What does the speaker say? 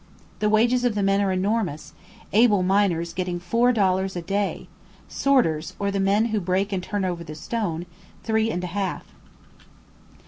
The wages of the men are enormous, able miners getting four dollars a day; sorters, or the men who break and turn over the stone, three and a half.